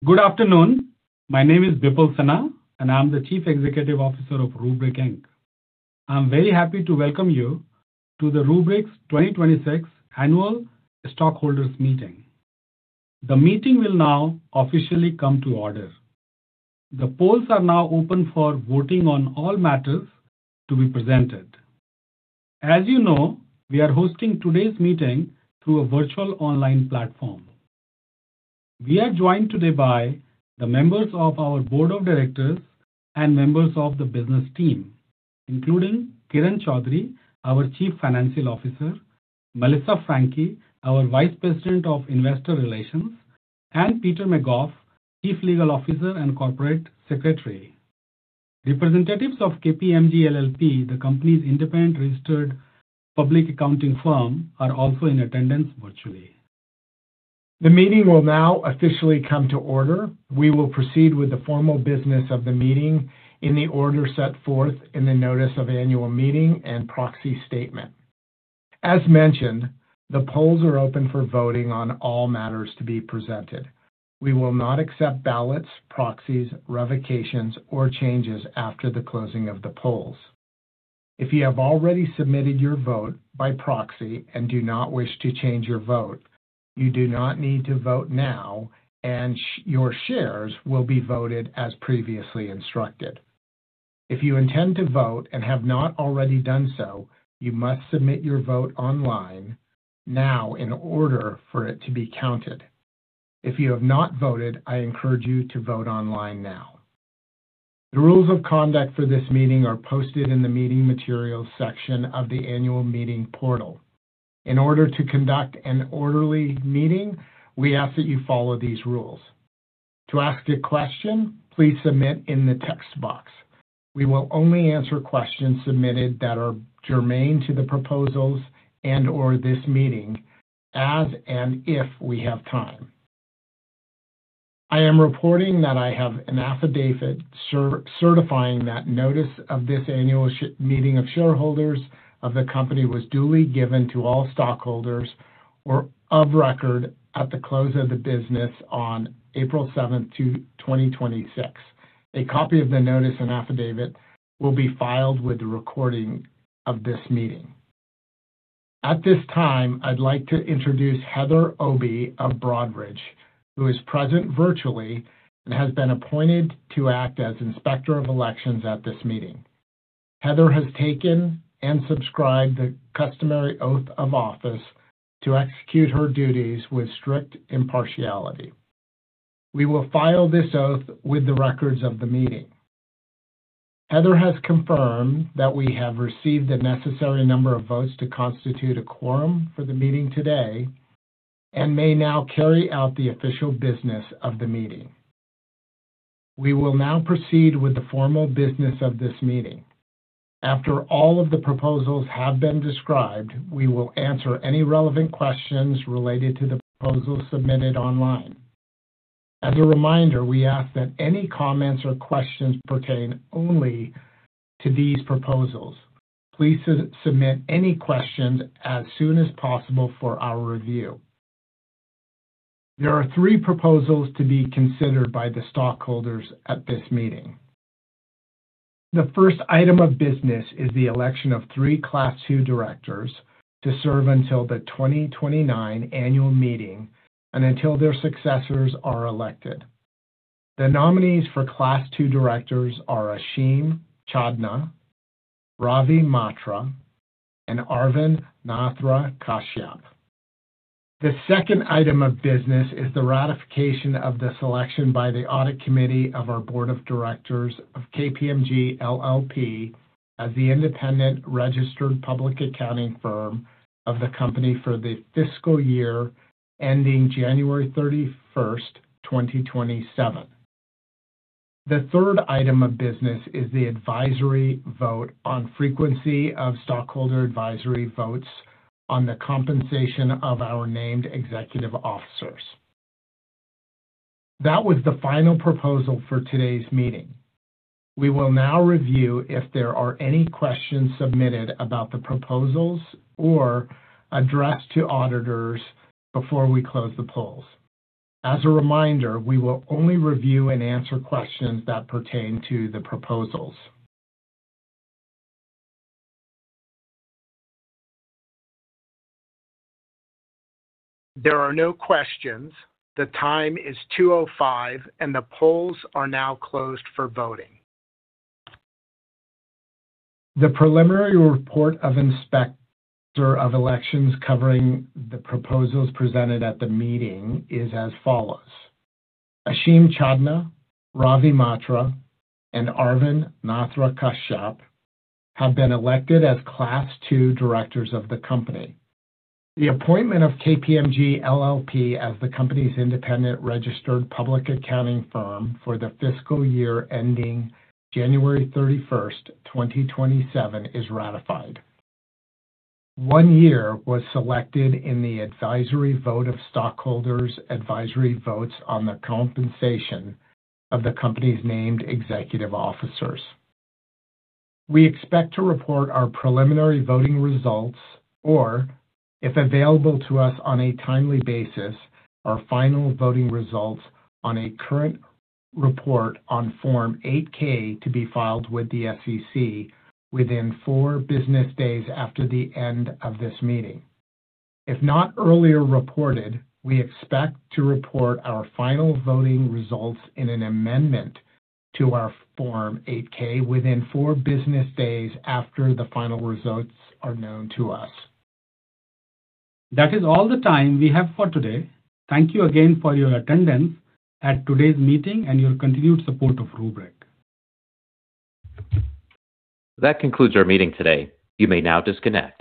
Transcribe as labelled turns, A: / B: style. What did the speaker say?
A: Good afternoon. My name is Bipul Sinha, and I'm the Chief Executive Officer of Rubrik Inc. I'm very happy to welcome you to the Rubrik's 2026 Annual Stockholders Meeting. The meeting will now officially come to order. The polls are now open for voting on all matters to be presented. As you know, we are hosting today's meeting through a virtual online platform. We are joined today by the members of our board of directors and members of the business team, including Kiran Choudary, our Chief Financial Officer, Melissa Franchi, our Vice President of Investor Relations, and Peter McGoff, Chief Legal Officer and Corporate Secretary. Representatives of KPMG LLP, the company's independent registered public accounting firm, are also in attendance virtually.
B: The meeting will now officially come to order. We will proceed with the formal business of the meeting in the order set forth in the Notice of Annual Meeting and Proxy Statement. As mentioned, the polls are open for voting on all matters to be presented. We will not accept ballots, proxies, revocations, or changes after the closing of the polls. If you have already submitted your vote by proxy and do not wish to change your vote, you do not need to vote now, and your shares will be voted as previously instructed. If you intend to vote and have not already done so, you must submit your vote online now in order for it to be counted. If you have not voted, I encourage you to vote online now. The rules of conduct for this meeting are posted in the Meeting Materials section of the Annual Meeting portal. In order to conduct an orderly meeting, we ask that you follow these rules. To ask a question, please submit in the text box. We will only answer questions submitted that are germane to the proposals and/or this meeting as and if we have time. I am reporting that I have an affidavit certifying that notice of this annual meeting of shareholders of the company was duly given to all stockholders of record at the close of the business on April 7th, 2026. A copy of the notice and affidavit will be filed with the recording of this meeting. At this time, I'd like to introduce Heather Obey of Broadridge, who is present virtually and has been appointed to act as Inspector of Elections at this meeting. Heather has taken and subscribed the customary oath of office to execute her duties with strict impartiality. We will file this oath with the records of the meeting. Heather has confirmed that we have received the necessary number of votes to constitute a quorum for the meeting today and may now carry out the official business of the meeting. We will now proceed with the formal business of this meeting. After all of the proposals have been described, we will answer any relevant questions related to the proposals submitted online. As a reminder, we ask that any comments or questions pertain only to these proposals. Please submit any questions as soon as possible for our review. There are three proposals to be considered by the stockholders at this meeting. The first item of business is the election of three Class II directors to serve until the 2029 annual meeting and until their successors are elected. The nominees for Class II directors are Asheem Chandna, Ravi Mhatre, and Arvind Nithrakashyap. The second item of business is the ratification of the selection by the Audit Committee of our Board of Directors of KPMG LLP as the independent registered public accounting firm of the company for the fiscal year ending January 31, 2027. The third item of business is the advisory vote on frequency of stockholder advisory votes on the compensation of our named executive officers. That was the final proposal for today's meeting. We will now review if there are any questions submitted about the proposals or addressed to auditors before we close the polls. As a reminder, we will only review and answer questions that pertain to the proposals. There are no questions. The time is 2:05 P.M., and the polls are now closed for voting. The preliminary report of Inspector of Elections covering the proposals presented at the meeting is as follows. Asheem Chandna, Ravi Mhatre, and Arvind Nithrakashyap have been elected as Class II directors of the company. The appointment of KPMG LLP as the company's independent registered public accounting firm for the fiscal year ending January 31st, 2027 is ratified. One year was selected in the advisory vote of stockholders' advisory votes on the compensation of the company's named executive officers. We expect to report our preliminary voting results, or if available to us on a timely basis, our final voting results on a current report on Form 8-K to be filed with the SEC within four business days after the end of this meeting. If not earlier reported, we expect to report our final voting results in an amendment to our Form 8-K within four business days after the final results are known to us.
A: That is all the time we have for today. Thank you again for your attendance at today's meeting and your continued support of Rubrik.
C: That concludes our meeting today. You may now disconnect.